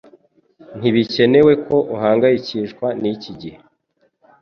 Ntibikenewe ko uhangayikishwa niki gihe.